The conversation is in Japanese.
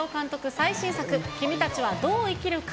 最新作、君たちはどう生きるか。